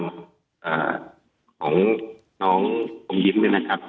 ของน้องอมยิ้มเนี่ยนะครับ